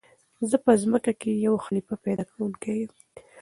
"زه په ځمكه كښي د يو خليفه پيدا كوونكى يم!"